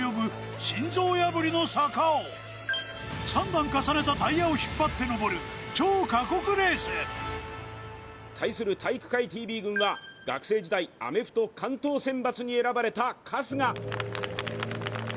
３段重ねたタイヤを引っ張って上る超過酷レース。対する「体育会ＴＶ」軍は学生時代、アメフト関東選抜に選ばれた春日。